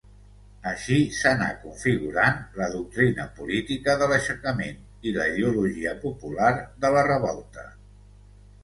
Així s'anà configurant la doctrina política de l'aixecament i la ideologia popular de la revolta.